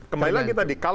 kembali lagi tadi